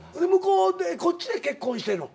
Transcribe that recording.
こっちで結婚してんの？